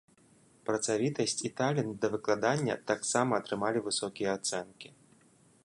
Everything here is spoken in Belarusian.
Працавітасць і талент да выкладання таксама атрымалі высокія ацэнкі.